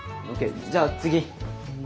じゃあ次。